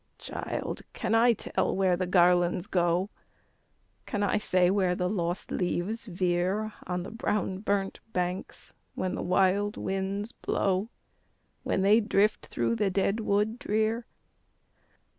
"Child! can I tell where the garlands go? Can I say where the lost leaves veer On the brown burnt banks, when the wild winds blow, When they drift through the dead wood drear?